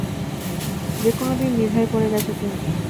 যেকোনো দিন দ্বিধায় পড়ে গেছো তুমি!